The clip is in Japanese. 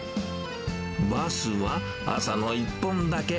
バスは、朝の１本だけ。